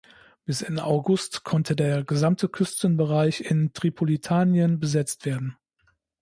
Bis Ende August konnte der gesamte Küstenbereich in Tripolitanien besetzt werden.